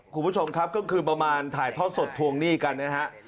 คุณผู้ชมครับก็คือประมาณถ่ายทอดสดทวงหนี้กันนะฮะ